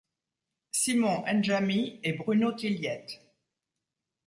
Simon Njami et Bruno Tilliette.